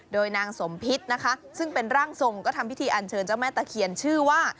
โดยนางสมพิษนะคะซึ่งเป็นร่างทรงก็ทำพิธีอันเชิญเจ้าแม่ตะเคียนชื่อว่า